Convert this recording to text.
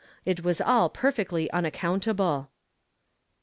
It was all perfectly unaccountable.